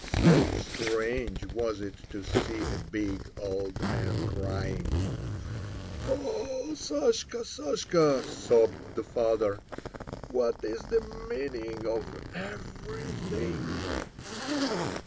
So strange was it to see a big old man crying. "Ah! Sashka, Sashka," sobbed the father, "what is the meaning of everything?"